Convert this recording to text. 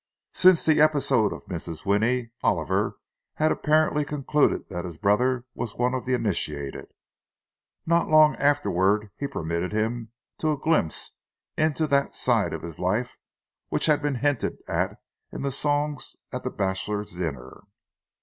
Since the episode of Mrs. Winnie, Oliver had apparently concluded that his brother was one of the initiated. Not long afterward he permitted him to a glimpse into that side of his life which had been hinted at in the songs at the bachelors' dinner.